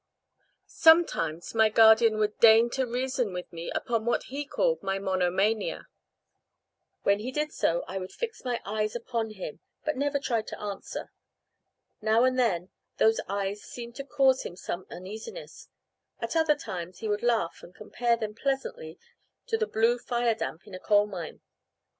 Sometimes my guardian would deign to reason with me upon what he called "my monomania." When he did so, I would fix my eyes upon him, but never tried to answer. Now and then, those eyes seemed to cause him some uneasiness; at other times he would laugh and compare them pleasantly to the blue fire damp in a coal mine.